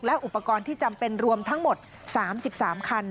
และอุปกรณ์ที่จำเป็นรวมทั้งหมด๓๓คัน